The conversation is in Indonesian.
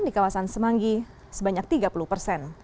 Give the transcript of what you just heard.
di kawasan semanggi sebanyak tiga puluh persen